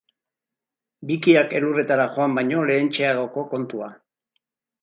Bikiak elurretara joan baino lehentxeagoko kontua.